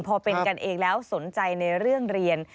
พอเป็นกันเองแล้วสนใจในเรื่องเรียน